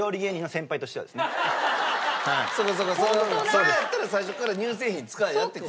それやったら最初から乳製品使えやって。